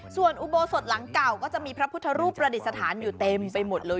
ส่วนอุโบสถหลังเก่าก็จะมีพระพุทธรูปประดิษฐานอยู่เต็มไปหมดเลย